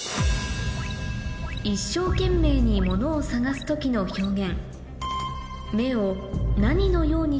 一生懸命に物を探す時の表現